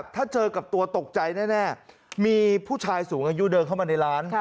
ถ้าเจอกับตัวตกใจแน่มีผู้ชายสูงอายุเดินเข้ามาในร้าน